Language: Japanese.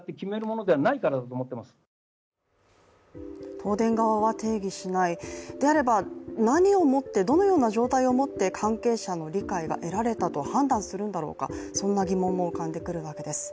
東電側は定義しない、であれば何を持ってどのような状態をもって関係者の理解を得たと判断するのだろうか、そんな疑問も浮かんでくるわけです。